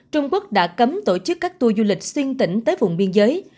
trung quốc đã cấm tổ chức các tour du lịch xuyên tỉnh tới vùng biên giới